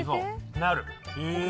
なる。